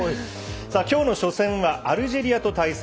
きょうの初戦は、アルジェリアと対戦。